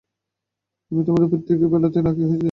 ওদের প্রত্যেকের বেলাতেই নাকি হয়েছে।